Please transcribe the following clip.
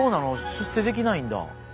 出世できないんだ。